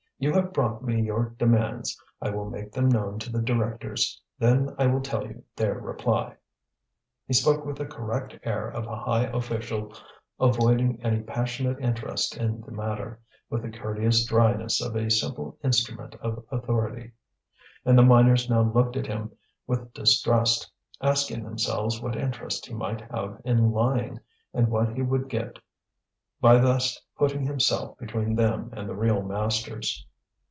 You have brought me your demands. I will make them known to the directors, then I will tell you their reply." He spoke with the correct air of a high official avoiding any passionate interest in the matter, with the courteous dryness of a simple instrument of authority. And the miners now looked at him with distrust, asking themselves what interest he might have in lying, and what he would get by thus putting himself between them and the real masters.